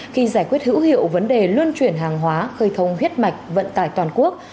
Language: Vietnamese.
khi giải quyết hữu hiệu vấn đề luân chuyển hàng hóa khơi thông huyết mạch vận tải toàn quốc